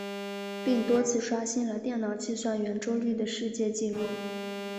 并多次刷新了电脑计算圆周率的世界纪录。